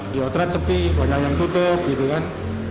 di otret sepi banyak yang tutup gitu kan